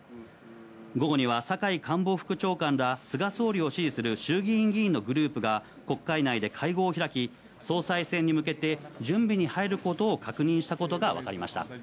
午後には、坂井官房副長官ら、菅総理を支持する衆議院議員のグループが、国会内で会合を開き、総裁選に向けて準備に入ることを確認したことが分かりました。